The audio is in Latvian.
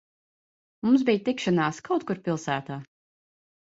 Mums bija tikšanās kaut kur pilsētā.